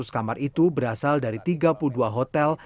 dua ratus kamar itu berasal dari tiga puluh dua hotel